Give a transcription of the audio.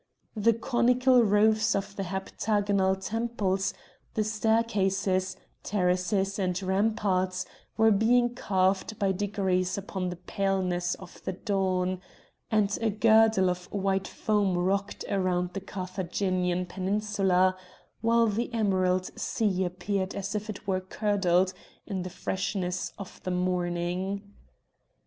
The conical roofs of the heptagonal temples, the staircases, terraces, and ramparts were being carved by degrees upon the paleness of the dawn; and a girdle of white foam rocked around the Carthaginian peninsula, while the emerald sea appeared as if it were curdled in the freshness of the morning.